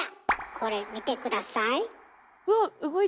これ見て下さい。